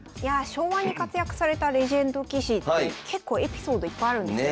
昭和に活躍されたレジェンド棋士って結構エピソードいっぱいあるんですよね